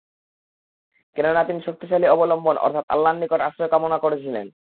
কেননা, তিনি শক্তিশালী অবলম্বন অর্থাৎ আল্লাহর নিকট আশ্রয় কামনা করেছিলেন।